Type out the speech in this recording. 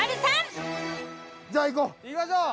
じゃあいこう！